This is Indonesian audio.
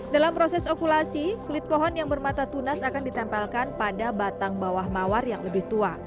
dalam proses okulasi kulit pohon yang bermata tunas akan ditempelkan pada batang bawah mawar yang lebih tua